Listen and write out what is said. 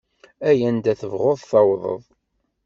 Ay anda tebɣuḍ tawḍeḍ.